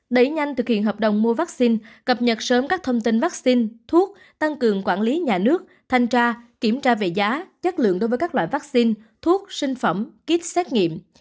đẩy nhanh thực hiện hợp đồng mua vaccine cập nhật sớm các thông tin vaccine thuốc tăng cường quản lý nhà nước thanh tra kiểm tra về giá chất lượng đối với các loại vaccine thuốc sinh phẩm kit xét nghiệm